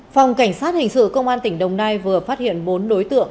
phòng cảnh sát hình sự công an tỉnh đồng nai vừa phát hiện bốn đối tượng